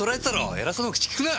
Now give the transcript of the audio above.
エラそうな口利くな！